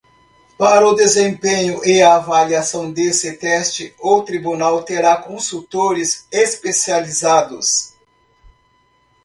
Para o desempenho e avaliação deste teste, o Tribunal terá consultores especializados.